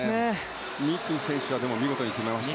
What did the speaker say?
三井選手は、でも見事に決めましたね。